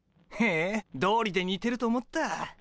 へえどうりでにてると思った。